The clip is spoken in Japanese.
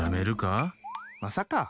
まさか！